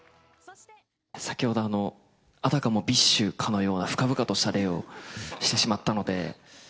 先ほど、あたかもビッシュかのような深々とした礼をしてしまったので。